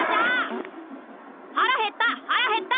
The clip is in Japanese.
あっ腹減った腹減った！